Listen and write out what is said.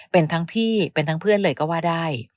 เป็นทั้งพี่เป็นทั้งเพื่อนเลยก็ว่าได้